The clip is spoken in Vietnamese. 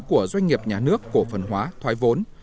của doanh nghiệp nhà nước cổ phần hóa thoái vốn